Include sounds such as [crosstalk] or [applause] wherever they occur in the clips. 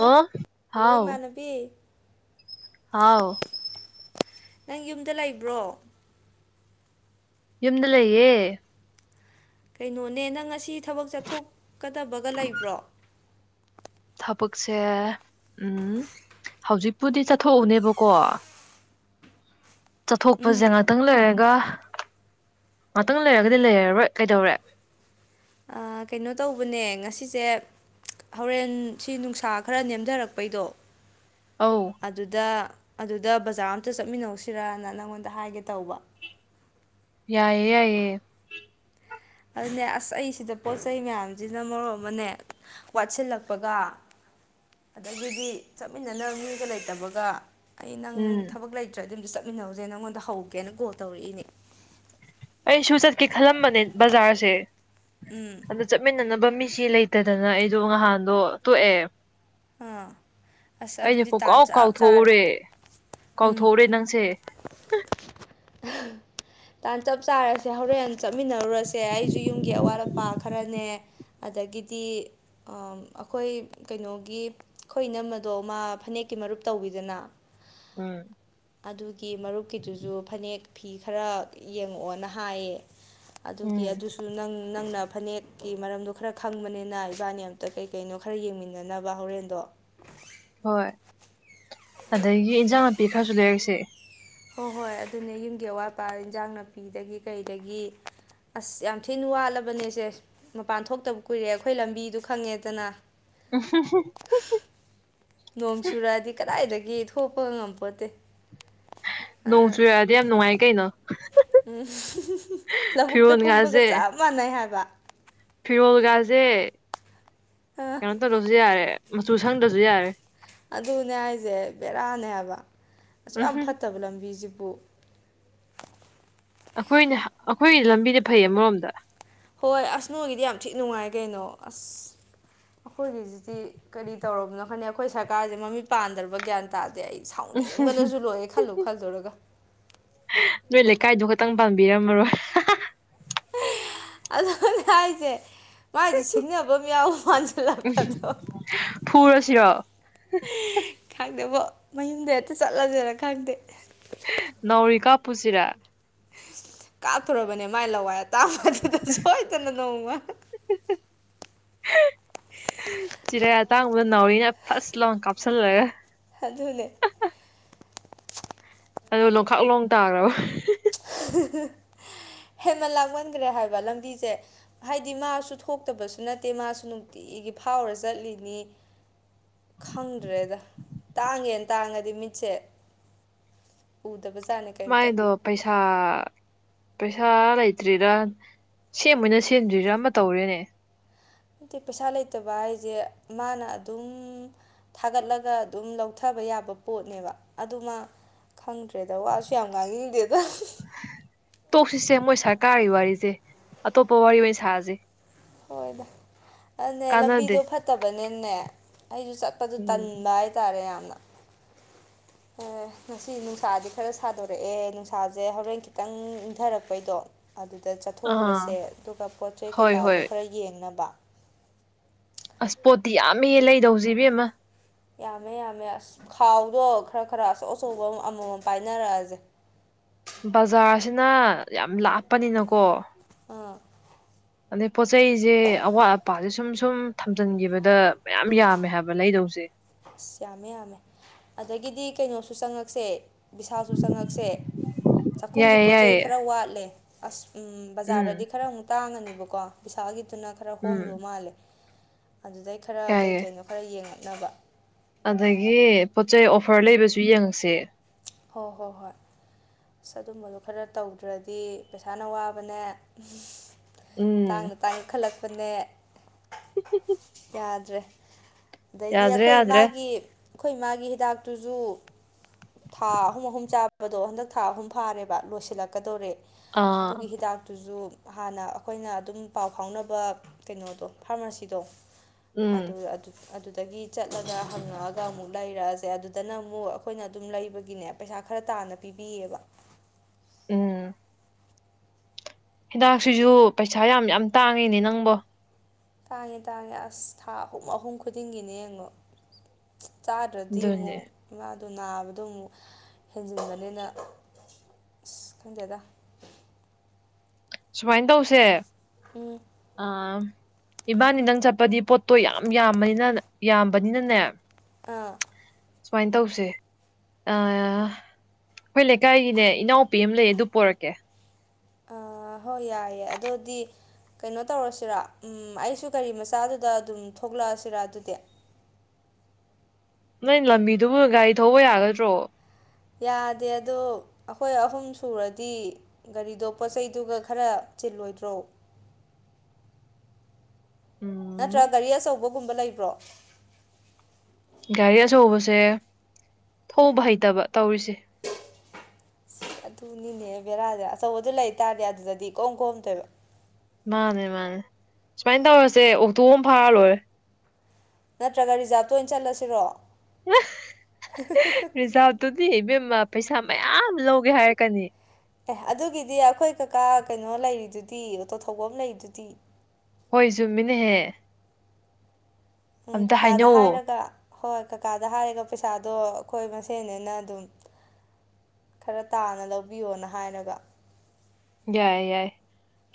ꯑꯣ ꯍꯜꯂꯣ ꯍꯥꯎ ꯏꯃꯥꯟꯅꯕꯤ ꯍꯥꯎ ꯅꯪ ꯌꯨꯝꯗ ꯂꯩꯕ꯭ꯔꯣ ꯌꯨꯝꯗ ꯂꯩꯌꯦ ꯀꯩꯅꯣꯅꯦ ꯅꯪ ꯑꯁꯤ ꯊꯕꯛ ꯆꯠꯊꯣꯛꯀꯗꯕꯒ ꯂꯩꯕ꯭ꯔꯣ ꯊꯕꯛꯁꯦ ꯎꯝ ꯍꯧꯖꯤꯛꯄꯨꯗꯤ ꯆꯠꯊꯣꯛꯎꯅꯦꯕꯀꯣ ꯆꯠꯊꯣꯛꯄꯖꯦ ꯉꯥꯛꯇꯪ ꯂꯩꯔꯒ ꯉꯥꯛꯇꯪ ꯂꯩꯔꯒꯗꯤ ꯂꯩꯔꯔꯣꯏ ꯀꯩꯗꯧꯔꯦ ꯑꯥ ꯀꯩꯅꯣ ꯇꯧꯕꯅꯦ ꯉꯁꯤꯁꯦ ꯍꯧꯔꯦꯟ ꯁꯤ ꯅꯨꯡꯁꯥ ꯈꯔ ꯅꯦꯝꯗꯔꯛꯄꯩꯗꯣ ꯑꯧ ꯑꯗꯨꯗ ꯑꯗꯨꯗ ꯕꯖꯥꯔ ꯑꯝꯇ ꯆꯠꯃꯤꯟꯅꯧꯁꯤꯔꯅ ꯅꯪꯉꯣꯟꯗ ꯍꯥꯏꯒꯦ ꯇꯧꯕ ꯌꯥꯏꯌꯦ ꯌꯥꯏꯌꯦ ꯑꯗꯨꯅꯦ ꯑꯁ ꯑꯩꯁꯤꯗ ꯄꯣꯠ ꯆꯩ ꯃꯌꯥꯝꯖꯤꯅ ꯃꯔꯣꯟ ꯑꯃꯅꯦ ꯋꯥꯠꯁꯤꯜꯂꯛꯄꯒ ꯑꯗꯒꯤꯗꯤ ꯆꯠꯃꯤꯟꯅꯅꯕ ꯃꯤꯒ ꯂꯩꯇꯕꯒ ꯑꯩ ꯅꯪ ꯎꯝ ꯊꯕꯛ ꯂꯩꯇ꯭ꯔꯥꯗꯤ ꯑꯝꯇ ꯆꯠꯃꯤꯟꯅꯧꯖꯦꯅ ꯅꯪꯉꯣꯟꯗ ꯍꯧꯒꯦꯅ ꯀꯣꯜ ꯇꯧꯔꯛꯏꯅꯦ ꯑꯩꯁꯨ ꯆꯠꯀꯦ ꯈꯜꯂꯝꯕꯅꯦ ꯕꯖꯥꯔꯁꯦ ꯎꯝ ꯑꯗꯣ ꯆꯠꯃꯤꯟꯅꯅꯕ ꯃꯤꯁꯤ ꯂꯩꯇꯗꯅ ꯑꯩꯗꯣ ꯉꯍꯥꯟꯗꯣ ꯇꯣꯛꯑꯦ ꯑꯥ ꯑꯁ ꯑꯩꯁꯦ ꯑꯗꯨꯗꯤ ꯇꯥꯟ ꯄꯨꯡꯀꯥꯎ ꯆꯞ ꯆꯥꯔꯦ ꯎꯝ ꯏꯅꯪꯁꯦ ꯇꯥꯟ ꯆꯞ ꯆꯥꯔꯁꯦ ꯍꯧꯔꯦꯟ ꯆꯠꯃꯤꯟꯅꯔꯨꯔꯁꯦ ꯑꯩꯖꯨ ꯌꯨꯝꯒꯤ ꯑꯋꯥꯠ ꯑꯄꯥ__ ꯄꯥ ꯈꯔꯅꯦ ꯑꯗꯒꯤꯗꯤ ꯑꯥ ꯑꯩꯈꯣꯏ ꯀꯩꯅꯣꯒꯤ ꯑꯩꯈꯣꯏ ꯏꯅꯝꯃꯗꯣ ꯃꯥ ꯐꯅꯦꯛꯀꯤ ꯃꯔꯨꯞ ꯇꯧꯋꯤꯗꯅ ꯎꯝ ꯑꯗꯨꯒꯤ ꯃꯔꯨꯞꯀꯤꯗꯨꯖꯨ ꯐꯅꯦꯛ ꯐꯤ ꯈꯔ ꯌꯦꯡꯉꯛꯑꯣꯅ ꯍꯥꯏꯌꯦ ꯑꯗꯨꯒꯤ ꯎꯝ ꯑꯗꯨꯁꯨ ꯅꯪ ꯅꯪꯅ ꯐꯅꯦꯛ ꯀꯤ ꯃꯔꯝꯗꯣ ꯈꯔ ꯈꯪꯕꯅꯤꯅ ꯏꯕꯥꯅꯤ ꯑꯝꯇ ꯀꯩ ꯀꯩꯅꯣ ꯈꯔ ꯌꯦꯡꯃꯤꯟꯅꯅꯕ ꯍꯣꯔꯦꯟꯗꯣ ꯍꯣꯏ ꯑꯗꯒꯤ ꯏꯟꯖꯥꯡ ꯅꯥꯄꯤ ꯈꯔꯁꯨ ꯂꯩꯔꯛꯁꯦ ꯍꯣꯏ ꯍꯣꯏ ꯑꯗꯨꯅꯦ ꯌꯨꯝꯒꯤ ꯑꯋꯥꯠ ꯑꯄꯥ ꯏꯟꯖꯥꯡ ꯅꯥꯄꯤꯗꯒꯤ ꯀꯩꯗꯒꯤ ꯑꯁ ꯌꯥꯝ ꯊꯤꯅ ꯋꯥꯠꯂꯕꯅꯦꯁꯦ꯫ ꯃꯄꯥꯟ ꯊꯣꯛꯇꯕ ꯀꯨꯏꯔꯦ ꯑꯩꯈꯣꯏ ꯂꯝꯕꯤꯗꯨ ꯈꯪꯉꯦꯗꯅ꯫ ꯎꯝ ꯍꯨꯝ ꯅꯣꯡ ꯆꯨꯔꯛꯑꯗꯤ ꯀꯗꯥꯏꯗꯒꯤ ꯊꯣꯛꯄ ꯉꯝꯄꯣꯠꯇꯦ꯫ ꯅꯣꯡ ꯆꯨꯔꯛꯑꯗꯤ ꯌꯥꯝ ꯅꯨꯡꯉꯥꯏ ꯀꯩꯅꯣ ꯎꯝ ꯂꯧꯕꯨꯛꯇ ꯀꯨꯝꯕꯒ ꯆꯥꯞ ꯐꯤꯔꯣꯜꯒꯥꯁꯦ ꯆꯞ ꯃꯥꯟꯅꯩ ꯍꯥꯏꯕ꯫ ꯐꯤꯔꯣꯜꯒꯁꯦ ꯑ ꯀꯩꯅꯣ ꯇꯧꯗ꯭ꯔꯁꯨ ꯌꯥꯔꯦ ꯃꯆꯨ ꯁꯪꯗꯕꯁꯨ ꯌꯥꯔꯦ꯫ ꯑꯗꯨꯅꯦ ꯍꯥꯏꯁꯦ ꯕꯦꯔꯥꯅꯦ ꯍꯥꯏꯕ ꯑꯁꯨꯛ ꯌꯥꯝ ꯎꯝꯍꯨꯝ ꯐꯠꯇꯕ ꯂꯝꯕꯤꯁꯤꯕꯨ꯫ ꯑꯩꯈꯣꯏꯅ ꯑꯩꯈꯣꯏꯒꯤ ꯂꯝꯕꯤꯗ ꯐꯩ ꯑꯃꯔꯣꯝꯗ꯫ ꯍꯣꯏ ꯑꯁ ꯅꯣꯏꯒꯤꯗꯤ ꯌꯥꯝ ꯊꯤ ꯅꯨꯡꯉꯥꯏ ꯀꯩꯅꯣ ꯑꯁ꯫ ꯑꯩꯈꯣꯏꯒꯤꯁꯤꯖꯤꯛꯇꯤ ꯀꯔꯤ ꯇꯧꯔꯕꯅꯣ [unintelligible] ꯑꯩꯈꯣꯏ ꯁꯔꯀꯥꯔꯁꯦ ꯃꯃꯤ ꯄꯥꯟꯗ꯭ꯔꯕ ꯒ꯭ꯌꯥꯟ ꯇꯥꯗꯦ ꯑꯩ ꯁꯥꯎꯅꯤꯡꯕꯅꯁꯨ ꯂꯣꯛꯑꯦ ꯈꯜꯂꯨ ꯈꯜꯂꯨꯔꯒ꯫ ꯅꯣꯏ ꯂꯩꯀꯥꯏꯗꯨ ꯈꯛꯇꯪ ꯄꯥꯝꯕꯤꯔꯝꯃꯔꯣꯏ꯫ ꯑꯗꯨꯅꯦ ꯍꯥꯏꯥꯁꯦ꯫ ꯃꯥꯏꯗꯤ ꯁꯤꯡꯅꯕ ꯃꯌꯥꯝ ꯃꯥꯟꯁꯤꯜꯂꯛꯄ ꯑꯗꯣ ꯐꯨꯔꯁꯤꯔꯣ ꯈꯪꯗꯦꯕꯣ ꯃꯌꯨꯝꯗ ꯍꯦꯛꯇ ꯆꯠꯂꯁꯦꯔ ꯈꯪꯗꯦ꯫ ꯅꯥꯎꯔꯤ ꯀꯥ ꯄꯨꯁꯤꯔꯥ꯫ ꯀꯥꯞꯊꯨꯔꯕꯅꯦ ꯃꯥꯏ ꯂꯋꯥꯏ ꯑꯇꯥꯕꯗꯨꯗ ꯁꯣꯏꯗꯅ ꯅꯣꯡꯃ꯫ [inaudible] ꯆꯤꯔꯩ ꯑꯇꯥꯡꯕꯗ ꯅꯥꯎꯔꯤꯅ ꯐꯥꯔꯁ ꯂꯥꯎꯟ ꯀꯥꯞꯁꯤꯜꯂꯒ꯫ ꯑꯗꯨꯅꯦ꯫ ꯑꯣ ꯂꯣꯡꯈꯥꯛ ꯂꯣꯡ ꯇꯥꯈ꯭ꯔꯕ꯫ ꯍꯦꯃꯥꯟ ꯂꯥꯡꯃꯟꯈ꯭ꯔꯦ ꯍꯥꯏꯕ ꯂꯝꯕꯤꯁꯦ꯫ ꯍꯥꯏꯗꯤ ꯃꯥꯁꯨ ꯊꯣꯛꯇꯕꯁꯨ ꯅꯠꯇꯦ ꯃꯥꯁꯨ ꯅꯨꯡꯇꯤꯒꯤ ꯐꯥꯎꯔ ꯆꯠꯂꯤꯅꯤ꯫ ꯈꯪꯗ꯭ꯔꯦꯗ ꯇꯥꯡꯉꯦꯅ ꯇꯥꯡꯉꯗꯤ ꯃꯤꯠꯁꯦ꯫ ꯎꯗꯕ ꯖꯥꯠꯅꯦ ꯀꯩꯝꯇ꯫ ꯃꯥꯏꯗꯣ ꯄꯩꯁꯥ꯫ ꯄꯩꯁꯥ ꯂꯩꯇ꯭ꯔꯤꯔꯥ ꯁꯦꯝꯑꯣꯏꯅ ꯁꯦꯝꯗ꯭ꯔꯤꯔꯥ ꯑꯃ ꯇꯧꯔꯦꯅꯦ꯫ ꯍꯥꯏꯗꯤ ꯄꯩꯁꯥ ꯂꯩꯇꯕ ꯍꯥꯏꯁꯦ ꯃꯥꯅ ꯑꯗꯨꯝ ꯊꯥꯒꯠꯂꯒ ꯑꯗꯨꯝ ꯂꯧꯊꯕ ꯌꯥꯕ ꯄꯣꯠꯅꯦꯕ ꯑꯗꯨꯃ ꯈꯪꯗ꯭ꯔꯦꯗ ꯋꯥꯁꯨ ꯌꯥꯝ ꯉꯥꯡꯅꯤꯡꯗꯦꯗ꯫ ꯇꯣꯛꯁꯤꯁꯦ ꯃꯣꯏ ꯁꯔꯀꯥꯔꯔꯤ ꯋꯥꯔꯤꯁꯦ ꯑꯇꯣꯞꯄ ꯋꯥꯔꯤ ꯑꯣꯏꯅ ꯁꯥꯁꯦ꯫ ꯍꯣꯏꯗ ꯑꯗꯨꯅꯦ ꯀꯥꯟꯅꯗꯦ ꯂꯝꯕꯤꯗꯣ ꯐꯠꯇꯕꯅꯤꯅꯦ ꯑꯩꯁꯨ ꯆꯥꯠ ꯆꯠꯄꯗꯨ ꯎꯝ ꯇꯟꯕ ꯍꯥꯏꯇꯥꯔꯦ ꯌꯥꯝꯅ ꯑꯣ꯫ ꯉꯁꯤ ꯅꯨꯡꯁꯥꯗꯤ ꯈꯔ ꯁꯥꯗꯣꯔꯛꯑꯦ ꯅꯨꯡꯁꯥꯁꯦ ꯍꯣꯔꯦꯟ ꯈꯤꯇꯪ ꯏꯪꯊꯔꯛꯄꯩꯗꯣ ꯑꯗꯨꯗ ꯑꯥ ꯆꯠꯊꯣꯛꯎꯔꯁꯦ ꯑꯗꯨꯒ ꯄꯣꯠ ꯆꯩ ꯍꯣꯏ ꯀꯩꯀꯥꯗꯣ ꯍꯣꯏ ꯈꯔ ꯌꯦꯡꯅꯕ꯫ ꯑꯁ ꯄꯣꯠꯇꯤ ꯌꯥꯝꯃꯤꯍꯦ ꯂꯩꯗꯧꯁꯤ ꯏꯕꯤꯝ ꯃꯥ ꯌꯥꯝꯃꯦ ꯌꯥꯝꯃꯦ ꯑꯁ ꯈꯥꯎꯗꯣ ꯈꯔ ꯈꯔ ꯑꯆꯧ ꯑꯆꯧꯕ ꯑꯃꯃꯝ ꯄꯥꯏꯅꯔꯛꯑꯁꯦ꯫ ꯕꯖꯥꯔꯁꯤꯅ ꯌꯥꯝ ꯂꯥꯞꯄꯅꯤꯅꯀꯣ꯫ ꯑꯥ꯫ ꯑꯗꯩ ꯄꯣꯠ ꯆꯩꯩꯁꯦ ꯑꯋꯥꯠ ꯑꯄꯥꯁꯦ ꯁꯨꯝ ꯁꯨꯝ ꯊꯝꯖꯤꯟꯈꯤꯕꯗ ꯃꯌꯥꯝ ꯌꯥꯝꯃꯦ ꯍꯥꯏꯕ ꯂꯩꯗꯧꯁꯦ꯫ ꯑꯁ ꯌꯥꯝꯃꯦ ꯌꯥꯝꯃꯦ꯫ ꯑꯗꯒꯤꯗꯤ ꯀꯩꯅꯣꯁꯨ ꯆꯪꯉꯛꯁꯦ ꯕꯤꯁꯜꯁꯨ ꯆꯪꯉꯛꯁꯦ꯫ ꯆꯥꯛꯈꯨꯝꯒꯤ ꯌꯥꯏꯌꯦ ꯄꯣꯠ ꯆꯩꯩ ꯌꯥꯏꯌꯦ ꯈꯔ ꯋꯥꯠꯂꯦ ꯑꯁ ꯎꯝ ꯎꯝ ꯕꯖꯥꯔꯗꯗꯤ ꯈꯔ ꯃꯨꯛ ꯇꯥꯡꯉꯅꯦꯕꯀꯣ ꯄꯤꯁꯥꯒꯤꯗꯨꯅ ꯈꯔ ꯎꯝ ꯍꯣꯡꯗꯣ ꯃꯥꯜꯂꯦ ꯑꯗꯨꯗꯩ ꯈꯔ ꯀꯩ ꯌꯥꯏꯌꯦ ꯀꯩꯅꯣ ꯈꯔ ꯌꯦꯡꯉꯛꯅꯕ ꯑꯗꯒꯤ ꯄꯣꯠ ꯆꯩ ꯑꯣꯐꯔ ꯂꯩꯕꯁꯨ ꯌꯦꯡꯉꯛꯁꯦ ꯍꯣꯏ ꯍꯣꯏ ꯍꯣꯏ ꯑꯁ ꯑꯗꯨꯝꯕꯗꯨ ꯈꯔ ꯇꯧꯗ꯭ꯔꯗꯤ ꯄꯩꯁꯥꯅ ꯋꯥꯕꯅꯦ ꯎꯝ ꯇꯥꯡꯅ ꯇꯥꯡꯈꯜꯂꯛꯄꯅꯦ [unintelligible] ꯌꯥꯗ꯭ꯔꯦ ꯑꯗꯩꯗꯤ ꯌꯥꯗ꯭ꯔꯦ ꯑꯩꯈꯣꯏ ꯌꯥꯗ꯭ꯔꯦ ꯏꯃꯥꯒꯤ ꯑꯩꯈꯣꯏ ꯏꯃꯥꯒꯤ ꯍꯤꯗꯥꯛꯇꯨꯁꯨ ꯊꯥ ꯑꯍꯨꯝ ꯑꯍꯨꯝ ꯆꯥꯕꯗꯣ ꯍꯟꯗꯛ ꯊꯥ ꯑꯍꯨꯝ ꯐꯥꯔꯦꯕ ꯂꯣꯏꯁꯤꯜꯂꯛꯀꯗꯧꯔꯦ ꯑꯥ ꯑꯗꯨꯒꯤ ꯍꯤꯗꯥꯛꯇꯨꯁꯨ ꯍꯥꯟꯅ ꯑꯩꯈꯣꯏꯅ ꯑꯗꯨꯝ ꯄꯥꯎ ꯐꯥꯎꯅꯕ ꯀꯩꯅꯣꯗꯣ ꯐꯥꯔꯃꯥꯁꯤꯗꯣ ꯎꯝ ꯑꯗꯨ ꯑꯗꯨꯗꯒꯤ ꯆꯠꯂꯒ ꯍꯪꯉꯛꯑꯒ ꯑꯃꯨꯛ ꯂꯩꯔꯛꯑꯁꯦ ꯑꯗꯨꯗꯅ ꯑꯃꯨꯛ ꯑꯩꯈꯣꯏꯅ ꯑꯗꯨꯝ ꯂꯩꯕꯒꯤꯅꯦ ꯄꯩꯁꯥ ꯈꯔ ꯇꯥꯅ ꯄꯤꯕꯤꯌꯦꯕ ꯎꯝ ꯍꯤꯗꯥꯛꯁꯤꯁꯨ ꯄꯩꯁꯥ ꯌꯥꯝ ꯌꯥꯝ ꯇꯥꯡꯉꯤꯅꯦ ꯅꯪꯕꯣ ꯇꯥꯡꯉꯦ ꯇꯥꯡꯉꯦ ꯑꯁ ꯊꯥ ꯑꯍꯨꯝ ꯑꯍꯨꯝ ꯈꯨꯗꯤꯡꯒꯤꯅꯦ ꯌꯦꯡꯉꯣ ꯆꯥꯗ꯭ꯔꯗꯤ ꯑꯗꯨꯅꯦ ꯃꯨꯛ ꯏꯃꯥꯗꯨ ꯅꯥꯕꯗꯣ ꯑꯃꯨꯛ ꯍꯦꯟꯖꯤꯟꯒꯅꯦꯅ ꯑꯁ ꯈꯪꯗꯦꯗ ꯁꯨꯃꯥꯏꯅ ꯇꯧꯁꯦ ꯎꯝ ꯑ ꯏꯕꯥꯅꯤꯗꯪ ꯆꯠꯄꯗꯤ ꯄꯣꯠꯇꯣ ꯌꯥꯝ ꯌꯥꯝꯕꯅꯤꯅ ꯌꯥꯝꯕꯅꯤꯅꯅꯦ ꯑꯥ ꯁꯨꯃꯥꯏꯅ ꯇꯧꯁꯦ ꯑꯥ ꯑꯩꯈꯣꯏ ꯂꯩꯀꯥꯏꯒꯤꯅꯦ ꯏꯅꯥꯎꯄꯤ ꯑꯃ ꯂꯩ ꯑꯗꯨ ꯄꯣꯔꯛꯀꯦ ꯑ ꯍꯣꯏ ꯌꯥꯏꯌꯦ ꯑꯗꯨꯗꯤ ꯀꯩꯅꯣ ꯇꯧꯔꯁꯤꯔ ꯑꯩꯁꯨ ꯒꯥꯔꯤ ꯃꯆꯥꯗꯨꯗ ꯑꯗꯨꯝ ꯊꯣꯛꯂꯛꯑꯁꯤꯔ ꯑꯗꯨꯗꯤ ꯅꯣꯏ ꯂꯝꯕꯤꯗꯨꯕꯨ ꯒꯥꯔꯤ ꯊꯧꯕ ꯌꯥꯒꯗ꯭ꯔꯣ ꯌꯥꯗꯦ ꯑꯗꯣ ꯑꯩꯈꯣꯏ ꯑꯍꯨꯝ ꯁꯨꯔꯗꯤ ꯒꯥꯔꯤꯗꯣ ꯄꯣꯠꯆꯩꯗꯨꯒ ꯈꯔ ꯆꯤꯜꯂꯣꯏꯗ꯭ꯔꯣ ꯎꯝ ꯅꯠꯇ꯭ꯔ ꯒꯥꯔꯤ ꯑꯆꯧꯕꯒꯨꯝꯕ ꯂꯩꯕ꯭ꯔꯣ ꯒꯥꯔꯤ ꯑꯆꯧꯕꯁꯦ ꯊꯧꯕ ꯍꯩꯇꯕ ꯇꯧꯔꯤꯁꯦ ꯑꯗꯨꯅꯤꯅꯦ ꯕꯦꯔꯥꯥꯁꯦ ꯑꯆꯧꯕꯗꯨ ꯂꯩꯇꯥꯥꯔꯗꯤ ꯑꯗꯨꯗꯗꯤ ꯏꯀꯣꯝ ꯀꯣꯝꯗꯣꯏꯕ ꯃꯥꯅꯦ ꯃꯥꯅꯦ ꯁꯨꯃꯥꯏꯅ ꯇꯧꯔꯁꯦ ꯑꯣꯛꯇꯣ ꯑꯃ ꯐꯥꯔ ꯂꯣꯏꯔꯦ ꯅꯠꯇ꯭ꯔꯒ ꯔꯤꯖꯥꯕꯇ ꯑꯣꯏꯅ ꯆꯠꯂꯁꯤꯔꯣ ꯔꯤꯖꯥꯚꯇꯨꯗꯤ ꯏꯕꯦꯝꯃ ꯄꯩꯁꯥ ꯃꯌꯥꯝ ꯂꯧꯒꯦ ꯍꯥꯏꯔꯛꯀꯅꯤ ꯑꯦ ꯑꯗꯨꯒꯤꯗꯤ ꯑꯩꯈꯣꯏ ꯀꯀꯥ ꯀꯩꯅꯣ ꯂꯩꯔꯤꯗꯨꯗꯤ ꯑꯣꯇꯣ ꯊꯧꯕ ꯑꯃ ꯂꯩꯔꯤꯗꯨꯗꯤ ꯍꯣꯏ ꯆꯨꯝꯃꯤꯅꯦꯍꯦ ꯎꯝ ꯑꯝꯇ ꯀꯀꯥꯗ ꯍꯥꯏꯅꯧꯋꯣ ꯍꯥꯏꯔꯒ ꯍꯣꯏ ꯀꯀꯥꯗ ꯍꯥꯏꯔꯒ ꯄꯩꯁꯥꯗꯣ ꯑꯩꯈꯣꯏ ꯃꯁꯦꯅꯦꯅꯥ ꯑꯗꯨꯝ ꯈꯔ ꯇꯥꯅ ꯂꯧꯕꯤꯌꯣꯅ ꯍꯥꯏꯔꯒꯥ ꯌꯥꯏ ꯌꯥꯏ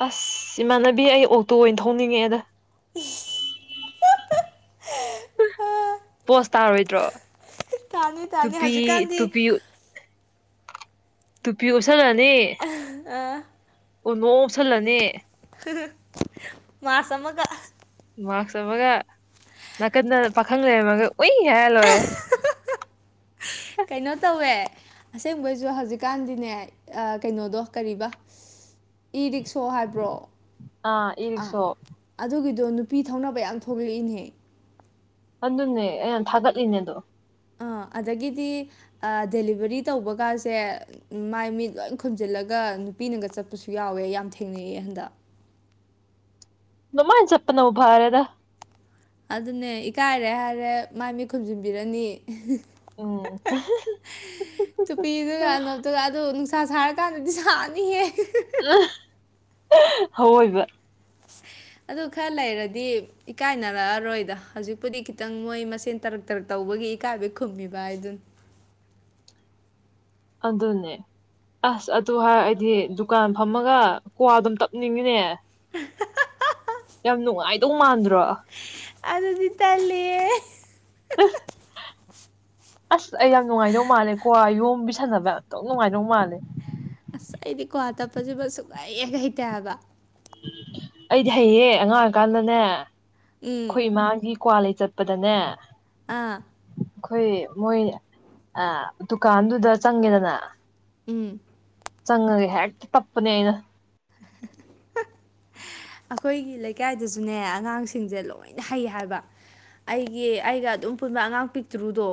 ꯑꯁ ꯏꯃꯥꯟꯅꯕꯤ ꯑꯩ ꯑꯣꯇꯣ ꯑꯣꯏꯅ ꯊꯣꯡꯅꯤꯡꯉꯛꯑꯦꯗ ꯎꯝ ꯄꯣꯁ ꯇꯥꯔꯣꯏꯗ꯭ꯔꯣ ꯇꯥꯅꯤ ꯇꯨꯄꯤ ꯍꯧꯖꯤꯛꯀꯥꯟꯗꯤ ꯇꯨꯄꯤ ꯇꯨꯄꯤ ꯎꯞꯁꯜꯂꯥꯅꯤ ꯑꯥ ꯎꯞꯁꯜꯂꯅꯤ ꯃꯥꯛꯁ ꯑꯃꯒ ꯃꯥꯛꯁ ꯑꯃꯒ ꯅꯥꯀꯟꯗ ꯄꯥꯈꯪ ꯂꯩꯔꯝꯃꯒ ꯎꯏ ꯍꯥꯏꯔ ꯂꯣꯏꯔꯦ ꯀꯩꯅꯣ ꯇꯧꯋꯦ ꯑꯁꯦꯡꯕꯩꯁꯨ ꯍꯧꯖꯤꯛꯀꯥꯟꯗꯤꯅꯦ ꯀꯩꯅꯣꯗꯣ ꯀꯔꯤꯕ ꯏꯔꯤꯛꯁꯣ ꯍꯥꯏꯕ꯭ꯔꯣ ꯏ ꯑꯥ ꯔꯤꯛꯁꯣ ꯑꯗꯨꯒꯤꯗꯣ ꯅꯨꯄꯤ ꯊꯧꯅꯕ ꯌꯥꯝ ꯊꯣꯛꯂꯛꯏꯅꯦ ꯑꯗꯨꯅꯦ ꯑꯩ ꯌꯥꯝ ꯊꯥꯒꯠꯂꯤꯅꯦꯗꯣ ꯑꯥ ꯑꯗꯒꯤꯗꯤ ꯗꯦꯂꯤꯕꯔꯤ ꯇꯧꯕꯒꯁꯦ ꯃꯥꯏ ꯃꯤꯠ ꯂꯣꯏ ꯈꯨꯝꯖꯤꯜꯂꯒ ꯅꯨꯄꯤꯅꯒ ꯆꯠꯄꯁꯨ ꯌꯥꯎꯋꯦ ꯌꯥꯝ ꯊꯦꯡꯅꯩ ꯍꯟꯗꯛ ꯑꯗꯨꯃꯥꯏꯅ ꯆꯄꯅꯕꯨ ꯐꯔꯦꯗ ꯑꯗꯨꯅꯦ ꯏꯀꯥꯏꯔꯦ ꯍꯥꯏꯔꯦ ꯃꯥꯏ ꯃꯤꯠ ꯈꯨꯝꯖꯤꯟꯕꯤꯔꯅꯤ ꯎꯝ ꯇꯨꯄꯤꯗꯨꯒ ꯑꯅꯣꯛ ꯑꯗꯨꯒ ꯑꯗꯣ ꯅꯨꯡꯁꯥ ꯁꯥꯔꯀꯥꯟꯗꯗꯤ ꯁꯥꯅꯤꯍꯦ ꯑꯑꯣꯏꯕ ꯑꯗꯨ ꯈꯔ ꯂꯩꯔꯗꯤ ꯏꯀꯥꯏꯅꯔꯛꯑꯔꯣꯏꯗ ꯍꯧꯖꯤꯛꯄꯨꯗꯤ ꯈꯤꯇꯪ ꯃꯣꯏ ꯃꯁꯦꯟ ꯇꯔꯛ ꯇꯔꯛ ꯇꯧꯕꯒꯤ ꯏꯀꯥꯏꯕ ꯈꯨꯝꯃꯤꯕ ꯍꯥꯏꯗꯨꯅꯤ ꯑꯗꯨꯅꯦ ꯑꯁ ꯑꯗꯨ ꯍꯥꯏꯔ ꯑꯩꯗꯤ ꯗꯨꯀꯥꯟ ꯐꯝꯃꯒ ꯀꯋꯥꯗꯨꯝ ꯇꯞꯅꯤꯡꯉꯤꯅꯦ ꯌꯥꯝ ꯅꯨꯡꯉꯥꯏꯗꯧ ꯃꯥꯟꯗ꯭ꯔꯣ ꯑꯗꯨꯗꯤ ꯇꯜꯂꯦ ꯑꯁ ꯑꯩ ꯌꯥꯝ ꯅꯨꯡꯉꯥꯏꯗꯧ ꯃꯥꯜꯂꯦꯀꯣ ꯌꯣꯝꯃ ꯄꯤꯁꯟꯅꯅꯕ ꯌꯥꯝ ꯅꯨꯡꯉꯥꯏꯗꯧ ꯃꯥꯜꯂꯦ ꯑꯁ ꯑꯩꯗꯤ ꯀꯋꯥ ꯇꯞꯄꯁꯤꯃ ꯁꯨꯡꯍꯩ ꯍꯦꯛ ꯍꯩꯇꯦ ꯍꯥꯏꯕ ꯑꯩꯗꯤ ꯍꯩꯌꯦ ꯑꯉꯥꯡ ꯑꯣꯏꯀꯥꯟꯗꯅꯦ ꯎꯝ ꯑꯩꯈꯣꯏ ꯏꯃꯥꯒꯤ ꯀꯋꯥ ꯂꯩꯕ ꯆꯠꯄꯗꯅꯦ ꯑꯥ ꯑꯩꯈꯣꯏ ꯃꯣꯏ ꯗꯨꯀꯥꯟꯗꯨꯗ ꯆꯪꯉꯦꯗꯅ ꯎꯝ ꯆꯪꯉꯒꯦ ꯍꯦꯛꯇ ꯇꯞꯄꯅꯦ ꯑꯩꯅ [unintelligible] ꯑꯩꯈꯣꯏꯒꯤ ꯂꯩꯀꯥꯏꯗꯁꯨꯅꯦ ꯑꯉꯥꯡꯁꯤꯡꯁꯦ ꯂꯣꯏꯅ ꯍꯩ ꯍꯥꯏꯕ ꯑꯩꯒꯤ ꯑꯩꯒ ꯑꯗꯨꯝ ꯄꯨꯟꯕ ꯑꯉꯥꯡ ꯄꯤꯛꯇꯔꯨꯗꯣ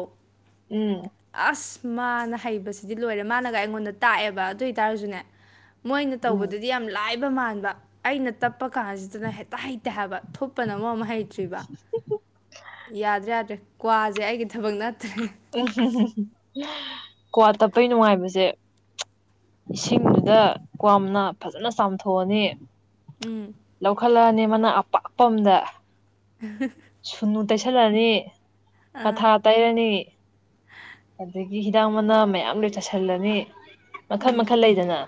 ꯎꯝ ꯑꯁ ꯃꯥꯅ ꯍꯩꯕꯁꯤꯗꯤ ꯂꯣꯏꯔꯦ ꯃꯥꯅꯒ ꯑꯩꯉꯣꯟꯗ ꯇꯥꯛꯑꯦꯕ ꯑꯗꯨ ꯑꯣꯏ ꯇꯥꯔꯁꯨꯅꯦ ꯃꯣꯏꯅ ꯎꯝ ꯇꯧꯕꯗꯗꯤ ꯌꯥꯝ ꯂꯥꯏꯕ ꯃꯥꯟꯕ ꯑꯩꯅ ꯇꯞꯄ ꯀꯥꯟꯁꯤꯗꯅ ꯍꯦꯛꯇ ꯍꯩꯇꯦ ꯍꯥꯏꯕ ꯊꯨꯞꯄꯅ ꯃꯔꯣꯝꯃ ꯍꯩꯇ꯭ꯔꯤꯕ ꯌꯥꯗ꯭ꯔꯦ ꯌꯥꯗ꯭ꯔꯦ ꯀꯋꯥꯁꯦ ꯑꯩꯒꯤ ꯊꯕꯛ ꯅꯠꯇ꯭ꯔꯦ ꯀꯋꯥ ꯇꯞꯄꯩ ꯅꯨꯡꯉꯥꯏꯕꯁꯦ ꯏꯁꯤꯡꯗꯨꯗ ꯀꯋꯥ ꯃꯅꯥ ꯐꯖꯅ ꯆꯥꯝꯊꯣꯛꯑꯅꯤ ꯎꯝ ꯂꯧꯈꯠꯂꯛꯑꯅꯤ ꯃꯅꯥ ꯑꯄꯥꯛꯄ ꯑꯝꯗ [unintelligible] ꯁꯨꯅꯨ ꯇꯩꯁꯜꯂꯅꯤ ꯑꯥ ꯀꯊꯥ ꯇꯩꯔꯅꯤ ꯑꯗꯒꯤ ꯍꯤꯗꯥꯛ ꯃꯅꯥ ꯃꯌꯥꯝ ꯂꯣꯏ ꯆꯥꯏꯁꯤꯜꯂꯅꯤ ꯃꯈꯜ ꯎꯝ ꯃꯈꯜ ꯂꯩꯗꯅ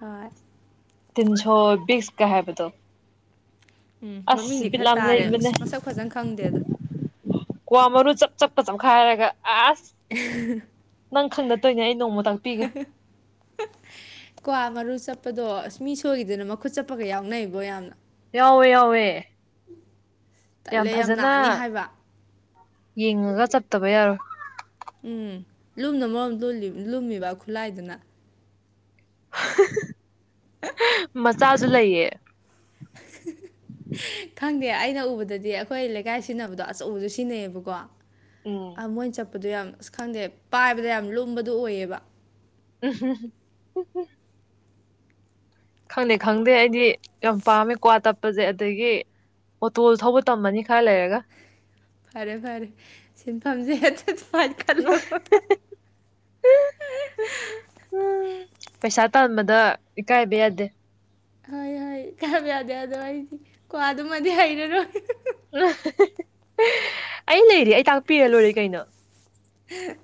ꯍꯣꯏ ꯇꯤꯟꯁꯣ ꯕꯤꯁꯀ ꯍꯥꯏꯕꯗꯣ ꯎꯝ ꯑꯁ ꯃꯃꯤꯡꯗꯤ ꯕꯤꯠ ꯈꯔ ꯌꯥꯝ ꯇꯥꯔꯦ ꯂꯩꯕꯅꯦ ꯑꯁ ꯃꯁꯛ ꯐꯖꯅ ꯈꯪꯗꯦꯗ ꯀ꯭ꯋꯥ ꯃꯔꯨ ꯆꯞ ꯆꯞꯀ ꯆꯞꯈꯥꯏꯔꯒ ꯑꯁ ꯅꯪ ꯈꯪꯗ ꯇꯣꯏꯅꯦ ꯑꯩ ꯅꯣꯡꯃ ꯇꯥꯛꯄꯤꯒꯦ [unintelligible] ꯀ꯭ꯋꯥ ꯃꯔꯨ ꯆꯞꯄꯗꯣ ꯑꯁ ꯃꯤ ꯁꯣꯏꯒꯤꯗꯅ ꯃꯈꯨꯠ ꯆꯞꯄꯒ ꯌꯥꯎꯅꯩꯕꯣ ꯌꯥꯝꯅ ꯌꯥꯎꯋꯦ ꯌꯥꯎꯋꯦ ꯇꯟꯂꯦ ꯌꯥꯝ ꯅꯥꯅꯤ ꯍꯥꯏꯕ ꯌꯦꯡꯉꯒ ꯆꯞꯇꯕ ꯌꯥꯔꯣꯏ ꯎꯝ ꯂꯨꯝꯅ ꯃꯔꯣꯝ ꯂꯨꯜꯂꯤ ꯂꯨꯝꯃꯤꯕ ꯈꯨꯠꯂꯥꯏꯗꯨꯅ ꯃꯆꯥꯁꯨ ꯂꯩꯌꯦ ꯈꯪꯗꯦ ꯑꯩꯅ ꯎꯕꯗꯗꯤ ꯑꯩꯈꯣꯏ ꯂꯩꯀꯥꯏ ꯁꯤꯟꯅꯕꯗꯣ ꯑꯆꯧꯕꯗꯣ ꯁꯤꯟꯅꯩꯌꯦꯕꯀꯣ ꯎꯝ ꯑ ꯃꯣꯏꯅ ꯆꯞꯄꯗꯣ ꯌꯥꯝ ꯑꯁ ꯈꯪꯗꯦ ꯄꯥꯏꯕꯗ ꯌꯥꯝ ꯂꯨꯝꯕꯗꯣ ꯑꯣꯏꯌꯦꯕ [unintelligible] ꯈꯪꯗꯦ ꯈꯪꯗꯦ ꯑꯩꯗꯤ ꯌꯥꯝ ꯄꯥꯝꯃꯦ ꯀ꯭ꯋꯥ ꯇꯞꯄꯁꯦ ꯑꯗꯒꯤ ꯑꯣꯇꯣ ꯊꯧꯕ ꯇꯝꯃꯅꯤ ꯈꯔ ꯂꯩꯔꯒ ꯐꯔꯦ ꯐꯔꯦ ꯁꯤꯟꯐꯝꯁꯦ [unintelligible] [unintelligible] ꯄꯩꯁꯥ ꯇꯥꯟꯕꯗ ꯏꯀꯥꯏꯕ ꯌꯥꯗꯦ ꯍꯣꯏ ꯍꯣꯏ ꯏꯀꯥꯏꯕ ꯌꯥꯗꯦ ꯑꯗꯣ ꯑꯩꯗꯤ ꯀ꯭ꯋꯥꯗꯨꯃꯗꯤ ꯍꯩꯔꯔꯣꯏ ꯑꯩ ꯂꯩꯔꯤ ꯑꯩ ꯇꯥꯛꯄꯤꯔ ꯂꯣꯏꯔꯦ ꯀꯩꯅꯣ [unintelligible]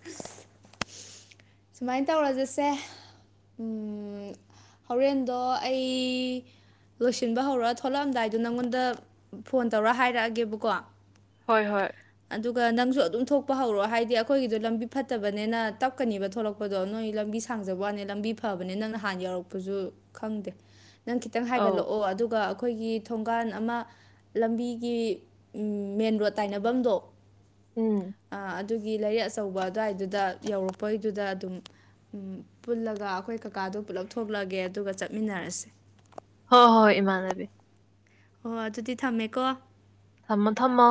ꯁꯨꯃꯥꯏ ꯇꯧꯔꯖꯤꯁꯦ ꯎꯝ ꯍꯣꯔꯦꯟꯗꯣ ꯑꯩ ꯂꯣꯏꯁꯤꯟꯕ ꯍꯧꯔ ꯊꯣꯛꯂꯛꯑꯝꯗꯥꯏꯗꯣ ꯅꯪꯉꯣꯟꯗ ꯐꯣꯟ ꯇꯧꯔ ꯍꯥꯏꯔꯛꯑꯒꯦꯕꯀꯣ ꯍꯣꯏ ꯍꯣꯏ ꯑꯗꯨꯒ ꯅꯪꯁꯨ ꯑꯗꯨꯝ ꯊꯣꯛꯄ ꯍꯧꯔꯛꯑꯣ ꯍꯥꯏꯗꯤ ꯑꯩꯈꯣꯏꯒꯤꯗꯣ ꯂꯝꯕꯤ ꯐꯠꯇꯕꯅꯤꯅ ꯇꯞꯀꯅꯤꯕ ꯊꯣꯛꯂꯛ ꯄꯗꯣ ꯅꯣꯏ ꯂꯝꯕꯤ ꯁꯥꯡꯖꯕꯣ ꯋꯥꯅꯦ ꯂꯝꯕꯤ ꯐꯕꯅꯦ ꯅꯪꯅ ꯍꯥꯟꯅ ꯌꯧꯔꯛꯄꯁꯨ ꯈꯪꯗꯦ ꯅꯪ ꯈꯤꯇꯪ ꯑꯧ ꯍꯥꯏꯒꯠꯂꯛꯑꯣ ꯑꯗꯨꯒ ꯑꯩꯈꯣꯏꯒꯤ ꯊꯣꯡꯒꯥꯟ ꯑꯃ ꯂꯝꯕꯤꯒꯤ ꯎꯝ ꯃꯦꯟ ꯔꯣꯗ ꯇꯥꯏꯅꯕꯝꯗꯣ ꯎꯝ ꯑ ꯑꯗꯨꯒꯤ ꯂꯩꯔꯛ ꯑꯆꯧꯕ ꯑꯗꯨꯋꯥꯏꯗꯨꯗ ꯌꯧꯔꯛꯄꯩꯗꯨꯗ ꯑꯗꯨꯝ ꯎꯝ ꯄꯨꯜꯂꯒ ꯑꯩꯈꯣꯏ ꯀꯀꯥꯗꯣ ꯄꯨꯂꯞ ꯊꯣꯛꯂꯒꯦ ꯑꯗꯨꯒ ꯆꯠꯃꯤꯟꯅꯔꯁꯦ ꯍꯣꯏ ꯍꯣꯏ ꯏꯃꯥꯟꯅꯕꯤ [unintelligible] ꯑꯗꯨꯗꯤ ꯊꯝꯃꯦꯀꯣ ꯊꯝꯃꯣ ꯊꯝꯃꯣ